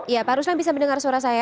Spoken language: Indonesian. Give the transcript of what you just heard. ya pak ruslan bisa mendengar suara saya